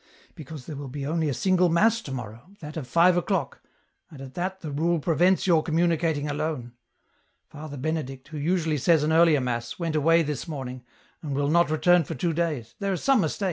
Because there will be only a single mass to morrow, that of five o'clock, and at that the rule prevents your communicating alone. Father Benedict, who usually says an earlier mass, went away this morning and will not return for two days. There is some mistake."